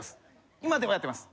今ではやってます。